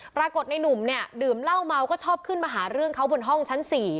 ปรากฏในหนุ่มเนี่ยดื่มเหล้าเมาก็ชอบขึ้นมาหาเรื่องเขาบนห้องชั้น๔